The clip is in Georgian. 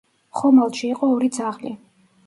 ხომალდში იყო ორი ძაღლი.